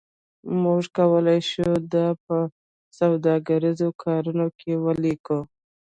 موږ کولی شو دا په سوداګریزو کارتونو کې ولیکو